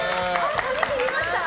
切りました。